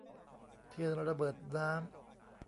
เทียนระเบิดน้ำ